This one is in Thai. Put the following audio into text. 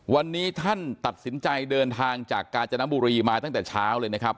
วันนี้ท่านตัดสินใจเดินทางจากกาญจนบุรีมาตั้งแต่เช้าเลยนะครับ